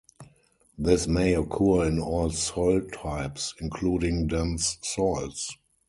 This may occur in all soil types including dense soils.